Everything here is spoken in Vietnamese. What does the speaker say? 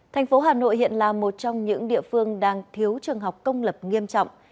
thành phố hà nội hiện là một trong những địa phương đang thiếu trường học công lập nghiêm trọng